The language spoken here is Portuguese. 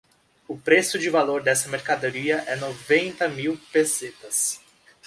O preço de valor desta mercadoria é noventa mil pesetas.